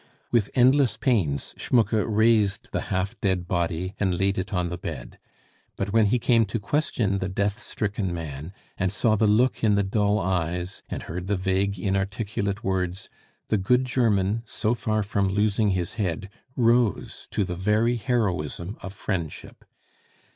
With endless pains Schmucke raised the half dead body and laid it on the bed; but when he came to question the death stricken man, and saw the look in the dull eyes and heard the vague, inarticulate words, the good German, so far from losing his head, rose to the very heroism of friendship.